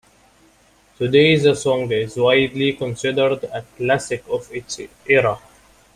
Today, the song is widely considered a classic of its era.